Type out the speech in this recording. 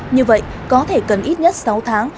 như vậy có thể cần ít nhất sáu tháng